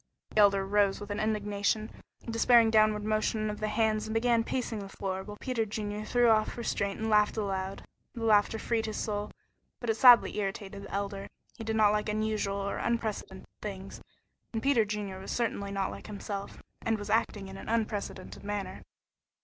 The Elder rose with an indignant, despairing downward motion of the hands and began pacing the floor, while Peter Junior threw off restraint and laughed aloud. The laughter freed his soul, but it sadly irritated the Elder. He did not like unusual or unprecedented things, and Peter Junior was certainly not like himself, and was acting in an unprecedented manner.